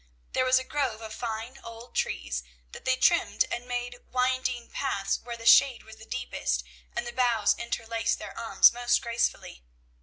There was a grove of fine old trees, that they trimmed and made winding paths where the shade was the deepest and the boughs interlaced their arms most gracefully.